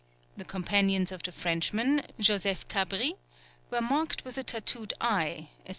The companions of the Frenchman, Joseph Cabritt, were marked with a tattooed eye, &c.